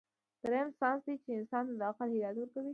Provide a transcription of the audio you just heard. دريم سائنس دے چې انسان ته د عقل هدايت ورکوي